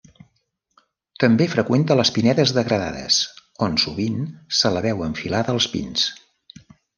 També freqüenta les pinedes degradades, on sovint se la veu enfilada als pins.